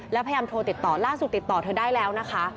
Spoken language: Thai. แล้วพยายามโทรติดต่อล่าสุดติดต่อเธอได้แล้วนะคะ